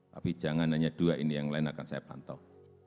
tapi jangan hanya dua ini yang lain akan saya pantau